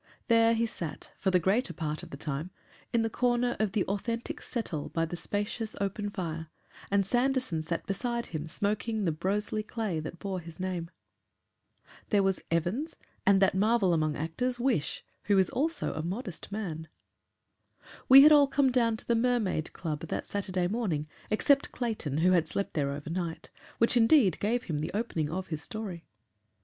There he sat, for the greater part of the time, in the corner of the authentic settle by the spacious open fire, and Sanderson sat beside him smoking the Broseley clay that bore his name. There was Evans, and that marvel among actors, Wish, who is also a modest man. We had all come down to the Mermaid Club that Saturday morning, except Clayton, who had slept there overnight which indeed gave him the opening of his story.